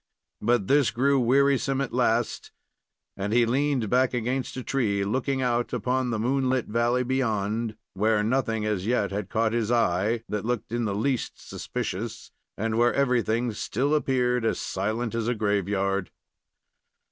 But this grew wearisome at last, and he leaned back against a tree, looking out upon the moonlit valley beyond, where nothing as yet had caught his eye that looked in the least suspicious, and where everything still appeared as silent as a graveyard.